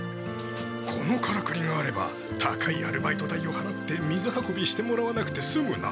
このカラクリがあれば高いアルバイト代をはらって水運びしてもらわなくてすむな。